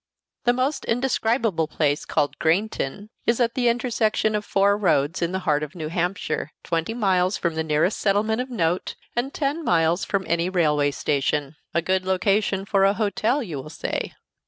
The almost indescribable place called Greenton is at the intersection of four roads, in the heart of New Hampshire, twenty miles from the nearest settlement of note, and ten miles from any railway station. A good location for a hotel, you will say.